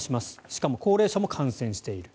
しかも高齢者も感染している。